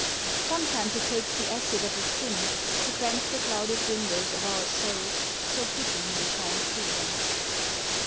Sometimes it takes the acid of a sin To cleanse the clouded windows of our souls So pity may shine through them.